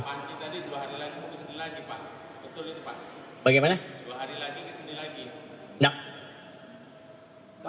pak tuhan pak panji tadi dua hari lagi ke sini lagi pak